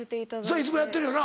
いつもやってるよな。